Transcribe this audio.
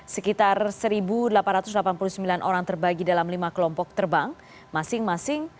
sekitar satu delapan ratus delapan puluh sembilan orang terbagi dalam lima kelompok terbang masing masing